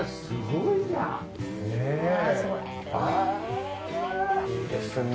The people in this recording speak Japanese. いいですね。